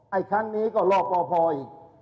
อักครั้งนี้ก็รอพอพออีก